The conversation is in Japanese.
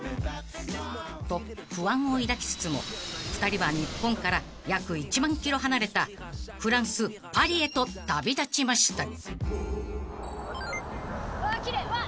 ［と不安を抱きつつも２人は日本から約１万ｋｍ離れたフランスパリへと旅立ちました］